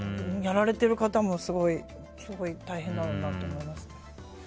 やられてる方も、すごい大変だろうなって思います。